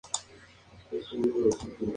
El final de los personajes es distinto.